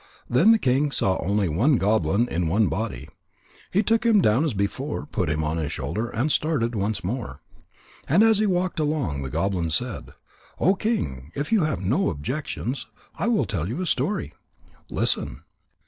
Then the king saw only one goblin in one body. He took him down as before, put him on his shoulder, and started once more. And as he walked along, the goblin said: "O King, if you have no objections, I will tell you a story. Listen."